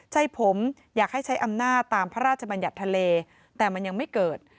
ใช่ผมอยากให้ใช้อำนาจตามพระราชบัญญัติทะเลแต่มันยังไม่เกิด